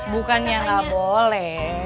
bukannya gak boleh